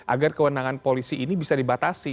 agar kewenangan polisi ini bisa dibatasi